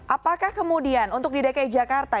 apakah kemudian untuk di dki jakarta